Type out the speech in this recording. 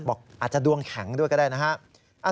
อาจจะดวงแข็งด้วยก็ได้นะครับ